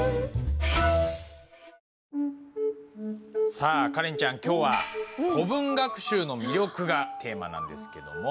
さあカレンちゃん今日は「古文学習の魅力」がテーマなんですけども。